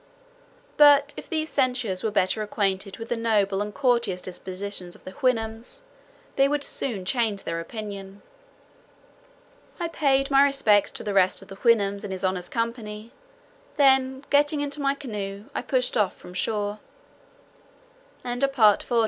But, if these censurers were better acquainted with the noble and courteous disposition of the Houyhnhnms, they would soon change their opinion. I paid my respects to the rest of the Houyhnhnms in his honour's company; then getting into my canoe, I pushed off from shore. CHAPTER XI.